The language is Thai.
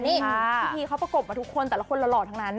นี่พิธีเขาประกบมาทุกคนแต่ละคนหล่อทั้งนั้น